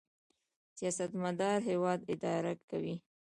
سیاستمدار هیواد اداره کوي